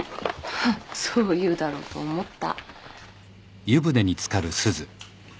ハッそう言うだろうと思った。